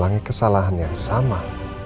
mengulangi kesalahan yang sama